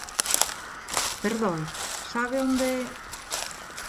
Perdoe, sabe onde...?